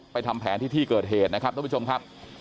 ทำแผนที่ที่เกิดเหตุนะครับท่านผู้ชมครับ